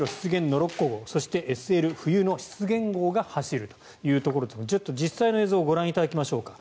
ノロッコ号そして、ＳＬ冬の湿原号が走るというところですが実際の映像をご覧いただきましょうか。